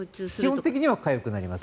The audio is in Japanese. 基本的にはかゆくなります。